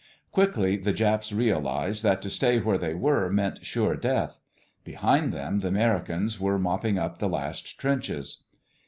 Quickly the Japs realized that to stay where they were meant sure death. Behind them the Americans were mopping up the last trenches.